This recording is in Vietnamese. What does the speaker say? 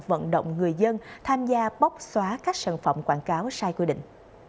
vận động người dân tham gia bóc xóa các sản phẩm quảng cáo sai quy định